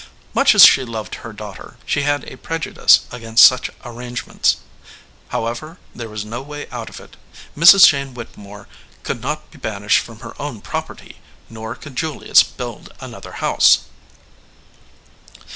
Much as she loved her daughter, she had a prejudice against such arrangements. However, there was 191 EDGEWATER PEOPLE no way out of it ; Mrs. Jane Whittemore could not be banished from her own property, nor could Julius build another house.